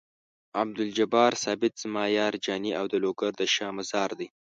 عبدالجبار ثابت زما یار جاني او د لوګر د شاه مزار دی.